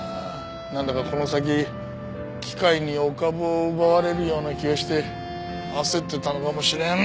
なんだかこの先機械にお株を奪われるような気がして焦ってたのかもしれん。